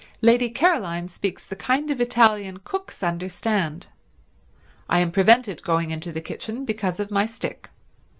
Lady Caroline speaks the kind of Italian cooks understand. I am prevented going into the kitchen because of my stick.